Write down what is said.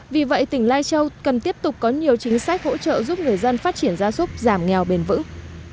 vì vậy tỉnh lai châu cần tiếp tục có nhiều chính sách hỗ trợ giúp người dân phát triển gia súc giảm nghèo bền vững